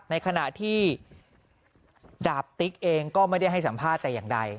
ในขณะที่ดาบติ๊กเองก็ไม่ได้ให้สัมภาษณ์แต่อย่างใด